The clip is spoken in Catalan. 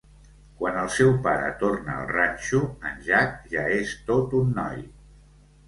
Quan el seu pare torna al ranxo, en Jack ja és tot un noi.